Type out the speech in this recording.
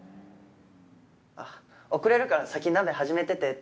あっ遅れるから先に鍋始めててって。